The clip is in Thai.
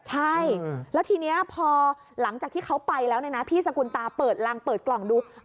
ใช่แล้วทีนี้พอหลังจากที่เขาไปแล้วเนี่ยนะพี่สกุลตาเปิดรังเปิดกล่องดู